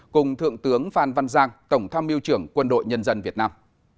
cùng thượng tướng phan văn giang tổng tham mưu trưởng quân đội nhân dân việt nam